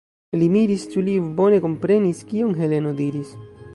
Li miris, ĉu li bone komprenis, kion Heleno diris.